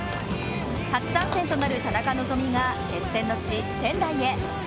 初参戦となる田中希実が決戦の地・仙台へ。